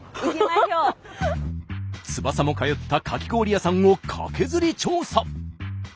翼も通ったかき氷屋さんをカケズリ調査。